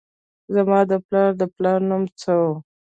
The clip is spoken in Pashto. زما د پلار د پلار نوم څه و؟